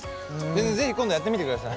是非今度やってみてください。